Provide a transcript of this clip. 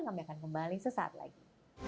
kami akan kembali sesaat lagi